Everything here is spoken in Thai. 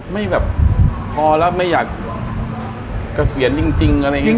ไม่แบบพอแล้วไม่อยากเกษียณจริงอะไรอย่างนี้